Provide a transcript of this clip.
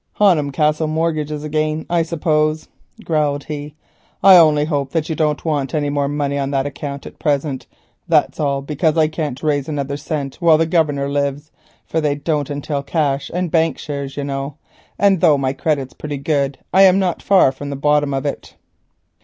"Honham Castle mortgages again, I suppose," he growled. "I only hope you don't want any more money on that account at present, that's all; because I can't raise another cent while my father lives. They don't entail cash and bank shares, you know, and though my credit's pretty good I am not far from the bottom of it."